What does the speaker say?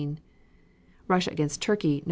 Russia against Turkey, Nov.